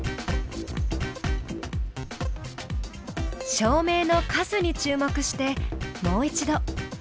照明の数に注目してもう一度。